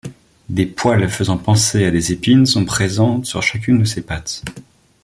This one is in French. Des poils faisant penser à des épines sont présentes sur chacune de ses pattes.